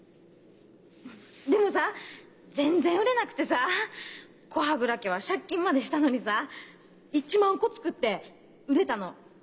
でもさぁ全然売れなくてさぁ古波蔵家は借金までしたのにさぁ１万個作って売れたのたった７０。